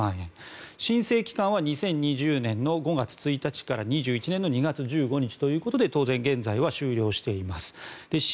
申請期間は２０２０年の５月１日から２０２１年の２月１５日ということで当然、現在は終了しています。